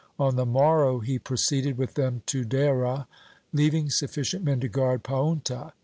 On the morrow he proceeded with them to Dehra, leaving sufficient men to guard Paunta.